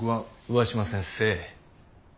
上嶋先生。